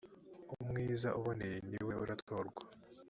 umwiza uboneye niwe uratorwa.